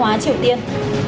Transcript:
hóa triều tiên